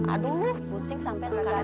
aduh pusing sampai sekarang